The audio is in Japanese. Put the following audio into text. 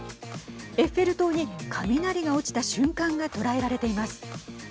エッフェル塔に雷が落ちた瞬間が捉えられています。